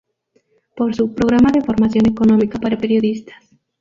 Por su "Programa de Formación Económica para Periodistas.